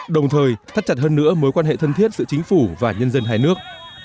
đồng thời thắt chặt hơn nữa mối quan hệ thân thiết giữa chính phủ và nhân dân hai nước